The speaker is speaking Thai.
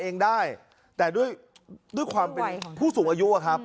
เองได้แต่ด้วยด้วยความเป็นผู้สูงอายุอะครับ